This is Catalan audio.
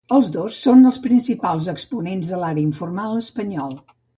Els dos són els principals exponents de l'art informal espanyol.